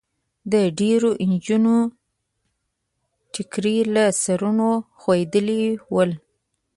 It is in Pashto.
د ډېریو نجونو ټیکري له سرونو خوېدلي ول.